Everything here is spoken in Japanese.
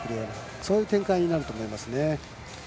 そういう展開になると思います。